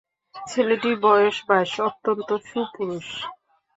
ছেলেটির বয়স বাইশ, অত্যন্ত সুপুরুষ।